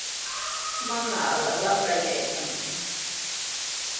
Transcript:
Mamaaqa qaprayaykanmi.